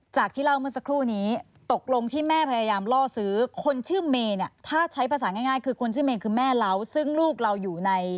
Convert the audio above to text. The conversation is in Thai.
ที่เล่าเมื่อสักครู่นี้ตกลงที่แม่พยายามล่อซื้อคนชื่อเมย์เนี่ยถ้าใช้ภาษาง่ายคือคนชื่อเมย์คือแม่เราซึ่งลูกเราอยู่ใน